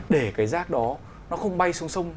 để cái rác đó nó không bay xuống sông